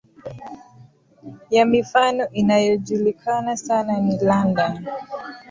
ya mifano inayojulikana sana ni London